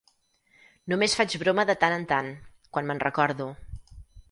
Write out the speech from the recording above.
Només faig broma de tant en tant, quan me'n recordo.